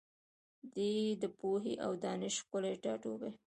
دی د پوهي او دانش ښکلی ټاټوبی